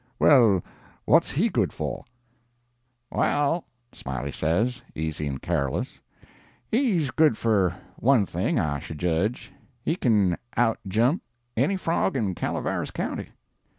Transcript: Well, what's HE good for. "'Well,' Smiley says, easy and careless, 'he's good enough for one thing, I should judge he can outjump any frog in Calaveras County.